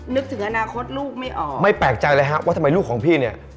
นึกถึงอนาคตลูกไม่ออกไม่แปลกใจเลยฮะว่าทำไมลูกของพี่เนี่ย